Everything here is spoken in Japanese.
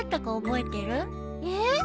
えっ？